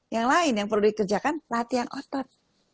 yang lain yang perlu dikerjakan latihan otot